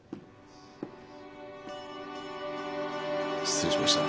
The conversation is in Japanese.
失礼しました。